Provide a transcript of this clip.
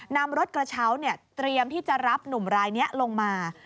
นำรถกระเช้าเตรียมที่จะรับหนุ่มรายนี้ลงมา